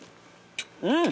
うん！